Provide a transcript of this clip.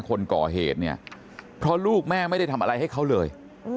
คนก่อเหตุเนี่ยเพราะลูกแม่ไม่ได้ทำอะไรให้เขาเลย